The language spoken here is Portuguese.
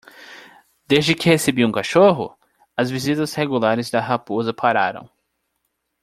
Desde que recebi um cachorro?, as visitas regulares da raposa pararam.